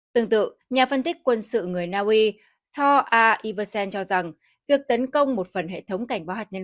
tương tự nhà phân tích quân sự người naui tore iversen cho rằng việc tấn công một phần hệ thống cảnh báo hạt nhân